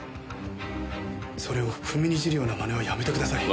それを踏みにじるような真似はやめてください。